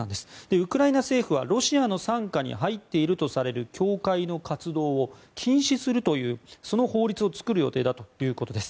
ウクライナ政府はロシアの傘下に入っているとされる教会の活動を禁止するというその法律を作る予定だということです。